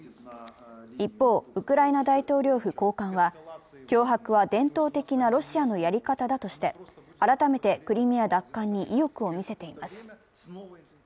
一方、ウクライナ大統領府高官は、脅迫は伝統的なロシアのやり方だとして、改めてクリミア奪還の意欲を見せています。